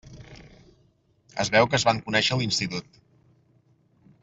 Es veu que es van conèixer a l'institut.